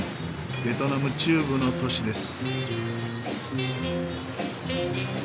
ベトナム中部の都市です。